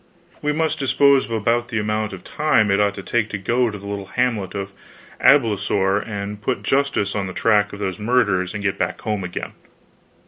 We must dispose of about the amount of time it ought to take to go to the little hamlet of Abblasoure and put justice on the track of those murderers and get back home again.